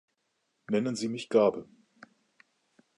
Nennen Sie mich Gabe.